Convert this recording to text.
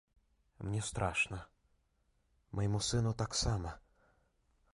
Мне страшна, майму сыну таксама.